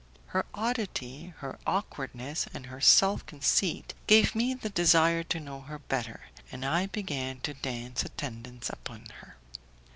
Her oddity, her awkwardness, and her self conceit gave me the desire to know her better, and I began to dance attendance upon her.